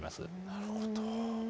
なるほど。